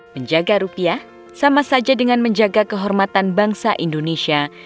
menjaga rupiah sama saja dengan menjaga kehormatan bangsa indonesia